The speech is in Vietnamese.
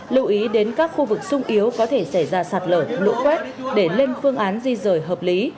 lưu ý đến các khu vực sung yếu có thể xảy ra sạt lở lũ quét để lên phương án di rời hợp lý